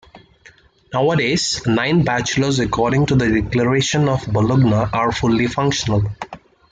Nowadays nine bachelors according to the Declaration of Bologna are fully functional.